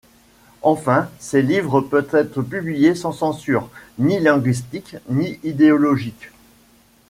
Enfin ses livres peuvent être publiés sans censure, ni linguistique ni idéologique.